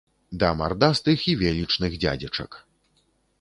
Да мардастых і велічных дзядзечак.